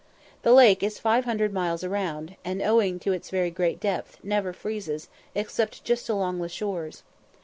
This lake is five hundred miles round, and, owing to its very great depth, never freezes, except just along the shores.